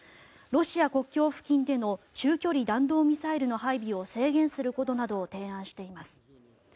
ロシア国境付近での中長距離弾道ミサイルの配備を制限することなどを提案しています。